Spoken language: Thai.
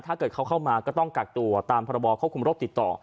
ถ้าเกิดเขาเข้ามาก็ต้องกักตัวตามพรบควบคุมโรคติดต่อ